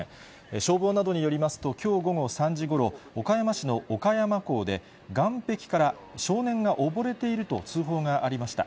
消防などによりますときょう午後３時ごろ、岡山市の岡山港で、岸壁から少年が溺れていると通報がありました。